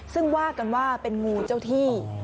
ซึ่งว่ากันว่าเป็นงูเจ้าที่